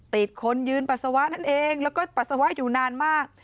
ติดคนยืนปัสสาวะนั่นเองแล้วก็ปัสสาวะอยู่นานมาก